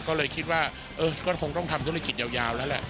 ก็เลยคิดว่าเออก็คงต้องทำธุรกิจยาวแล้วแหละ